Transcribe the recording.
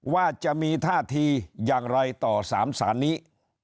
ว่าจะมีท่าทีอย่างไรต่อ๓สารนี้